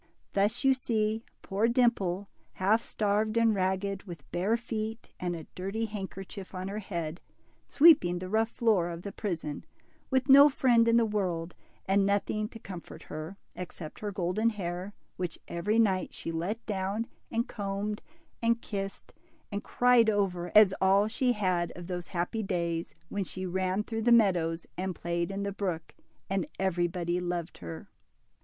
Thus you see poor Dimple, half starved and ragged, with hare feet, and a dirty handkerchief on her head, sweeping the rough floor of the prison, with no friend in the world, and nothing to comfort her, except her golden hair, which every night she let down, and combed, and kissed, and cried over, as all she had of those happy days when she ran through the meadows and played in the brook, and everybody loved her.